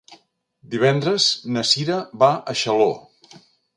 Divendres na Sira va a Xaló.